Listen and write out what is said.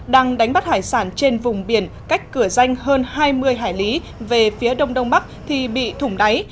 đang đánh bắt hải sản trên vùng biển cách cửa danh hơn hai mươi hải lý về phía đông đông bắc thì bị thủng đáy